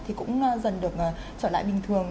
thì cũng dần được trở lại bình thường